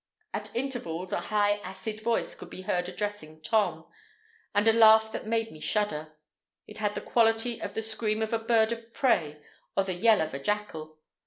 At intervals a high acid voice could be heard addressing Tom, and a laugh that made me shudder; it had the quality of the scream of a bird of prey or the yell of a jackal.